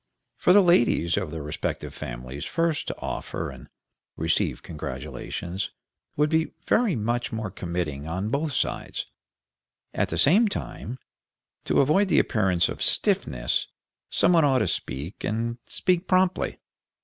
For the ladies of the respective families first to offer and receive congratulations would be very much more committing on both sides; at the same time, to avoid the appearance of stiffness, some one ought to speak, and speak promptly.